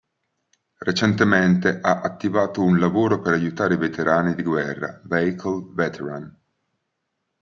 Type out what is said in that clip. Recentemente ha attivato un lavoro per aiutare i veterani di guerra "Vehicle Veteran".